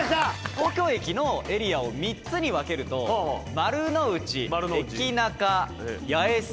東京駅のエリアを３つに分けると丸の内エキナカ八重洲。